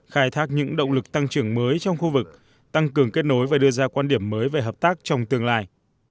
khai thác những động lực tăng trưởng mới trong khu vực tăng cường kết nối và đưa ra quan điểm mới về hợp tác trong tương lai